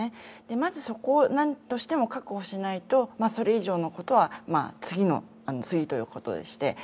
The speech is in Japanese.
まずそこをなんとしても確保しないと、それ以上のことは次の次ということでして。